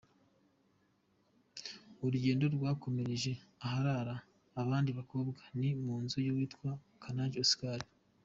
Uru rugendo rwakomereje aharara abandi bakobwa, ni mu nzu y’uwitwa Kajanage Oscar.